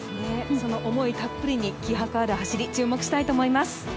その思いたっぷりに、気迫ある走り注目したいと思います。